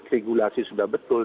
regulasi sudah betul